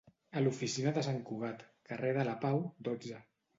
A l'oficina de Sant Cugat, carrer de la Pau, dotze.